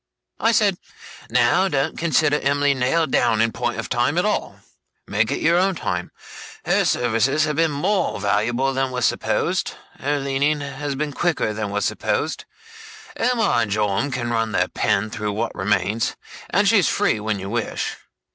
I said, "Now, don't consider Em'ly nailed down in point of time, at all. Make it your own time. Her services have been more valuable than was supposed; her learning has been quicker than was supposed; Omer and Joram can run their pen through what remains; and she's free when you wish.